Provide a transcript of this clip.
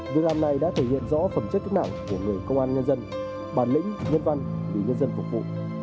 việc làm này đã thể hiện rõ phẩm chất kích mạng của người công an nhân dân bản lĩnh nhân văn vì nhân dân phục vụ